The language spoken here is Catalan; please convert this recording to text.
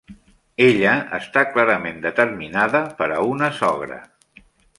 Ella està clarament determinada per a una sogra.